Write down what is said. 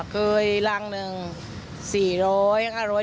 เคยรังหนึ่งสี่ร้อยห้าร้อย